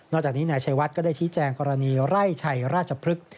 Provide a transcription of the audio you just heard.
จากนี้นายชัยวัดก็ได้ชี้แจงกรณีไร่ชัยราชพฤกษ์